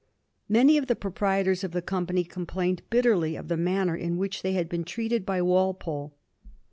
Many of the proprietors of the company complained bitterly of the manner in which they had been treated by Walpole.